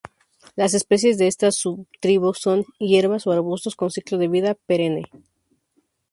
Las especies de esta subtribu son hierbas o arbustos con ciclo de vida perenne.